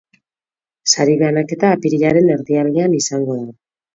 Sari banaketa apirilaren erdialdean izango da.